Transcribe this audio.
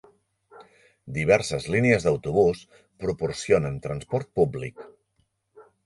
Diverses línies d'autobús proporcionen transport públic.